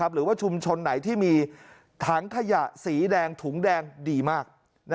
หรือว่าชุมชนไหนที่มีถังขยะสีแดงถุงแดงดีมาก